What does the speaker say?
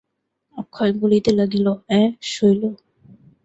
অক্ষয় বলিতে লাগিল, অ্যাঁ, শৈল!